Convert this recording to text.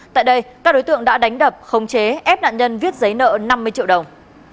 tại đây các đối tượng đã đánh đập khống chế ép nạn nhân viết giấy nợ năm mươi triệu đồng